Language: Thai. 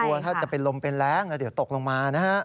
กลัวว่าถ้าจะเป็นลมเป็นแรงเดี๋ยวตกลงมานะฮะ